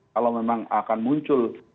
kalau memang akan muncul